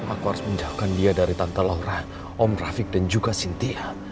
aku harus menjauhkan dia dari tante laurah om rafiq dan juga sintia